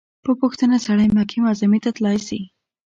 په پوښتنه سړى مکې معظمې ته تلاى سي.